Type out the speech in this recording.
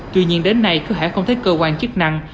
tuy nhiên đến nay cơ hải không thấy cơ quan chức năng